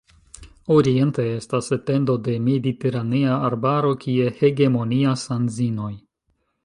Oriente estas etendo de mediteranea arbaro, kie hegemonias anzinoj.